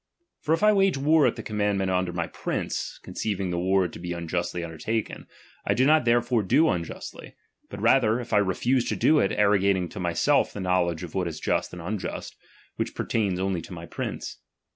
For if I wage war at the commandment of my prince, conceiving the war to be unjustly undertaken, I do not therefore do unjustly ; but rather if I refuse to do it, arrogating to myself the knowledge of what is just and unjust, which per tains only to my prince.